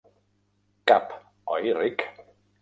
Cap, oi Rick?